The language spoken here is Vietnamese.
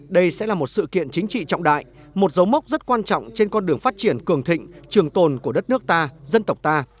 đây sẽ là một sự kiện chính trị trọng đại một dấu mốc rất quan trọng trên con đường phát triển cường thịnh trường tồn của đất nước ta dân tộc ta